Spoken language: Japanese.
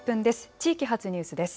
地域発ニュースです。